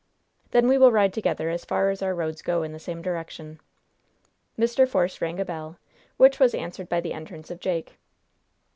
"Then we will ride together as far as our roads go in the same direction." Mr. Force rang a bell, which was answered by the entrance of Jake.